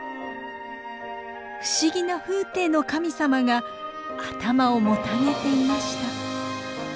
不思議な風体の神様が頭をもたげていました。